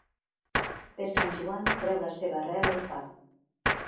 Per Sant Joan treu la seva arrel el pa.